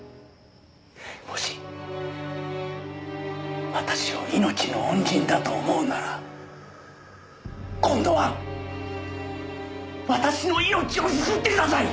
もし私を命の恩人だと思うなら今度は私の命を救ってください！